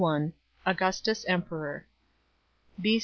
31 Augustus emperor. 4